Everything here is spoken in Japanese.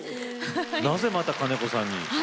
なぜまた金子さんに？